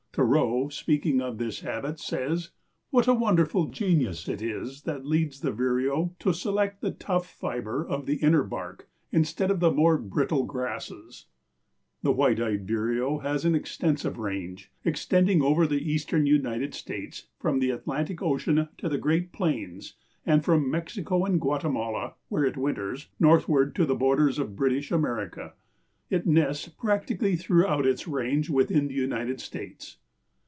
Thoreau, speaking of this habit, says: "What a wonderful genius it is that leads the vireo to select the tough fiber of the inner bark instead of the more brittle grasses!" The White eyed Vireo has an extensive range, extending over the eastern United States from the Atlantic Ocean to the great plains and from Mexico and Guatemala, where it winters, northward to the borders of British America. It nests practically throughout its range within the United States.